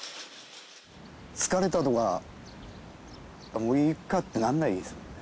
疲れたとかもういいかってならないですね。